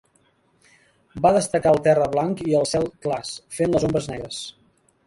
Va destacar el terra blanc i el cel clars, fent les ombres negres.